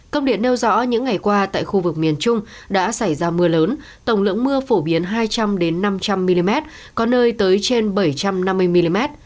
công điện nêu rõ những ngày qua tại khu vực miền trung đã xảy ra mưa lớn tổng lượng mưa phổ biến hai trăm linh năm trăm linh mm có nơi tới trên bảy trăm năm mươi mm